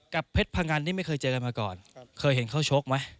เพชรพงันนี่ไม่เคยเจอกันมาก่อนเคยเห็นเขาชกไหม